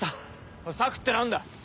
おい策って何だ！